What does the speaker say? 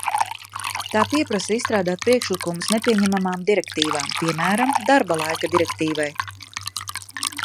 Tā pieprasa izstrādāt priekšlikumus nepieņemamām direktīvām, piemēram, darba laika direktīvai.